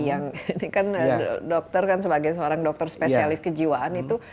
yang ini kan dokter kan sebagai seorang dokter spesialis kejiwaan itu